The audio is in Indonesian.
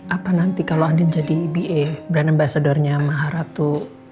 apa nanti kalo andin jadi ba brand ambassadornya maharatu